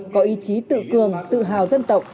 có ý chí tự cường tự hào dân tộc